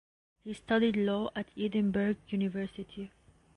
He studied law at Edinburgh University.